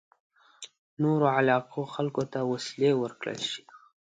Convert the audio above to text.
نورو علاقو خلکو ته وسلې ورکړل شي.